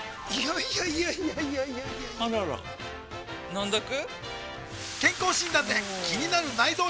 いやいやいやいやあらら飲んどく？